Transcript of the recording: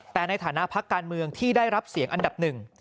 แต่ในฐานะพักการเมืองที่ได้รับเสียงอันดับหนึ่ง